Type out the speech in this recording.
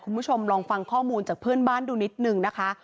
คุณผู้ชมลองฟังข้อมูลจากเพื่อนบ้านดูนิดนึงนะคะ